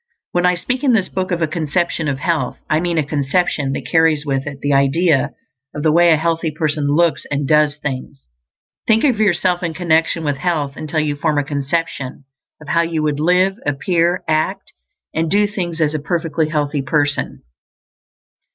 When I speak in this book of a conception of health, I mean a conception that carries with it the idea of the way a healthy person looks and does things. Think of yourself in connection with health until you form a conception of how you would live, appear, act, and do things as a perfectly healthy person.